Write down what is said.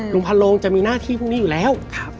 ลุงพันโลงจะมีหน้าที่พรุ่งนี้อยู่แล้ว